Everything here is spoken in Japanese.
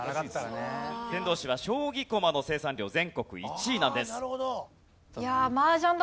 天童市は将棋駒の生産量全国１位なんです。